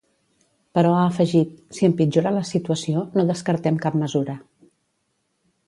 Però ha afegit: Si empitjora la situació, no descartem cap mesura.